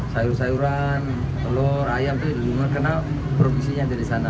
sayur sayuran telur ayam itu lebih murah karena produksinya ada di sana